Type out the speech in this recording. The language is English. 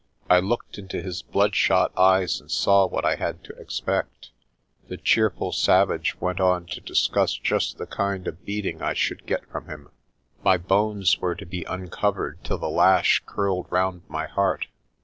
I looked into his bloodshot eyes and saw what I had to expect. The cheerful savage went on to discuss just the kind of beating I should get from him. My bones were to be uncovered till the lash curled round my heart.